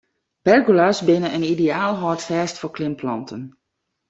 Pergola's binne in ideaal hâldfêst foar klimplanten.